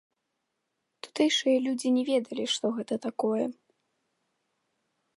Тутэйшыя людзі не ведалі, што гэта такое.